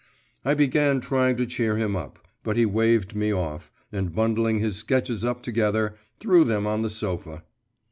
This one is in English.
I began trying to cheer him up, but he waved me off, and bundling his sketches up together, threw them on the sofa.